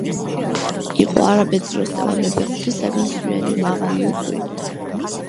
იყო არაბეთს როსტევან მეფე ღვრთისაგან სვიანი მაღალი უხვი